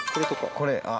これあっ。